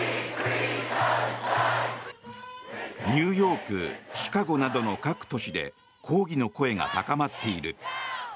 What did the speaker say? ニューヨーク、シカゴなどの各都市で抗議の声が高まっている。